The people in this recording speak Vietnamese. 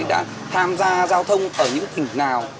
đã tham gia giao thông ở những tỉnh nào